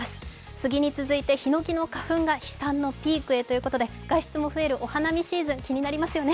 スギに続いてヒノキの花粉も飛散のピークということで外出も増えるお花見シーズン、気になりますよね。